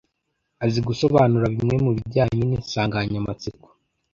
azi -gusobanura bimwe mu bijyanye n’insanganyamatsiko